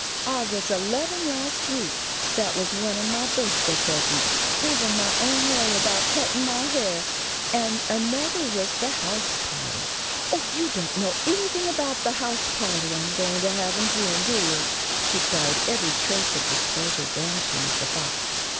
"I was eleven last week. That was one of my birthday presents, havin' my own way about cuttin' my hair, and anothah was the house pahty. Oh, you don't know anything about the house pahty I'm to have in June, do you!" she cried, every trace of displeasure vanishing at the thought.